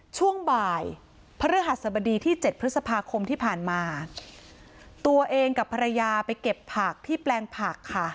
ช่วงบ่ายพระฤหัสบดีที่เจ็ดพฤษภาคมที่ผ่านมาตัวเองกับภรรยาไปเก็บผักที่แปลงผักค่ะ